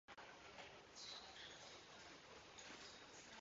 At various times he was also treasurer and tax collector for San Diego.